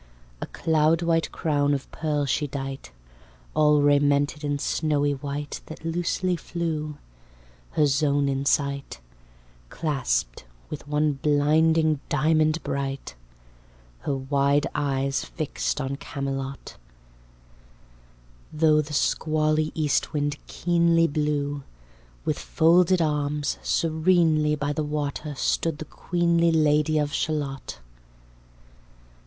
A cloudwhite crown of pearl she dight. All raimented in snowy white That loosely flew, (her zone in sight, Clasped with one blinding diamond bright,) Her wide eyes fixed on Camelot, Though the squally eastwind keenly Blew, with folded arms serenely By the water stood the queenly Lady of Shalott.